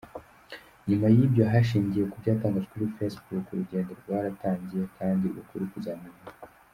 Nyuma y’ibyo, hashingiwe ku byatangajwe kuri Facebook, urugendo rwaratangiye kandi ukuri kuzamenyekana.